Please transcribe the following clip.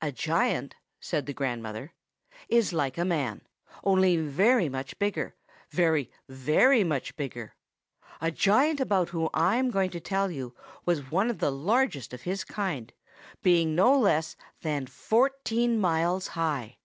"A giant," said the grandmother, "is like a man, only very much bigger; very, very much bigger. The giant about whom I am going to tell you was one of the largest of his kind, being no less than fourteen miles high."